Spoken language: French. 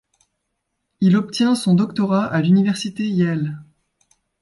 Il obtient son doctorat à l'université Yale.